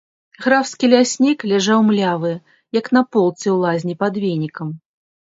Графскі ляснік ляжаў млявы, як на полцы ў лазні пад венікам.